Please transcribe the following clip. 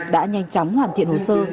đã nhanh chóng hoàn thiện hồ sơ